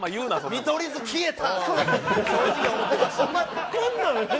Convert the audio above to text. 見取り図消えた！！